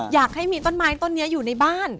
อยากให้มีต้นไม้ต้นนี้อยู่ในบ้าน